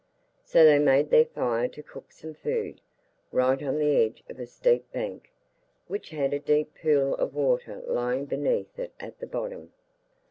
So they made their fire to cook some food, right on the edge of a steep bank, which had a deep pool of water lying beneath it at the bottom.